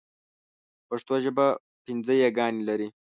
پښتو ژبه پنځه ی ګانې لري.